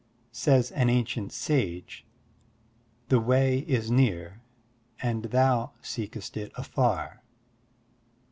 Says an ancient sage, "The Way is near, and thou seekest it afar."